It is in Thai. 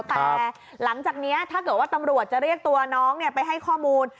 แต่หลังจากนี้ถ้าเกิดว่าตำรวจจะเรียกตัวน้องไปให้ข้อมูล